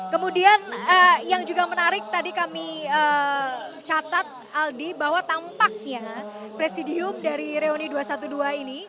kemudian yang juga menarik tadi kami catat aldi bahwa tampaknya presidium dari reuni dua ratus dua belas ini